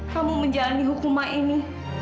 kamu menjalani hukuman ini